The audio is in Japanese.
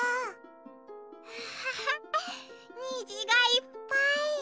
アハハにじがいっぱい。